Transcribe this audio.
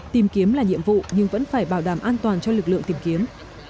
tìm kiếm là nhiệm vụ nhưng vẫn phải bảo đảm an toàn cho lực lượng tìm kiếm